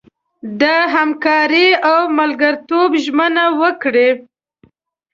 د همکارۍ او ملګرتوب ژمنه وکړي.